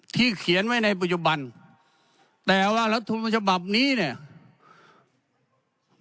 เขียนไว้ในปัจจุบันแต่ว่ารัฐมนต์ฉบับนี้เนี่ย